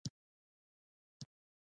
مېلمه ته د ماشوم خوشبويي ورکړه.